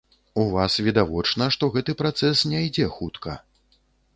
У вас відавочна, што гэты працэс не ідзе хутка.